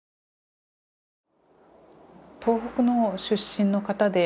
東北の出身の方で。